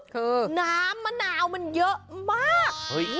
คือน้ำมะนาวมันเยอะมาก